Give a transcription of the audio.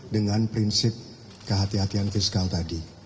dengan prinsip kehatian kehatian fiskal tadi